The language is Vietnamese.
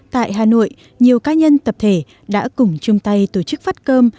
tại hà nội nhiều cá nhân tập thể đã cùng chung tay tổ chức phát cơm